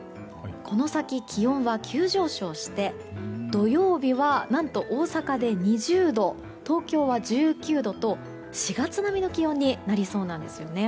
この先、気温は急上昇して土曜日は大阪で２０度東京は１９度と４月並みの気温になりそうなんですね。